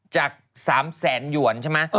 จาก๓๐๐๐๐๐หยวนใช่ไหม